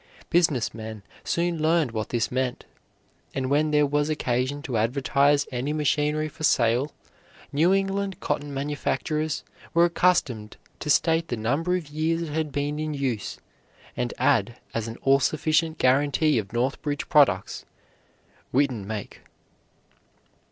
Business men soon learned what this meant; and when there was occasion to advertise any machinery for sale, New England cotton manufacturers were accustomed to state the number of years it had been in use and add, as an all sufficient guaranty of Northbridge products, "Whitin make."